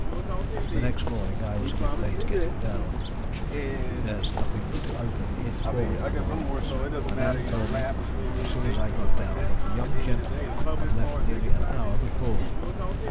"The next morning I was a bit late getting down there's nothing to open the inn for in the mornings and Ann told me as soon as I got down that the young gentleman had left nearly an hour before.